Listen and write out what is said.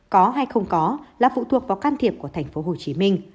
có hay không có là phụ thuộc vào can thiệp của tp hcm